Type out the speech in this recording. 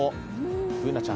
Ｂｏｏｎａちゃん